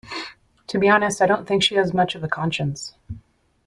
To be honest, I don’t think she has much of a conscience.